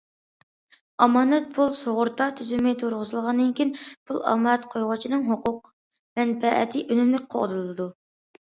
ئامانەت پۇل سۇغۇرتا تۈزۈمى تۇرغۇزۇلغاندىن كېيىن، پۇل ئامانەت قويغۇچىنىڭ ھوقۇق مەنپەئەتى ئۈنۈملۈك قوغدىلىدۇ.